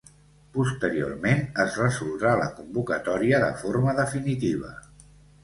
Posteriorment es resoldrà la convocatòria de forma definitiva.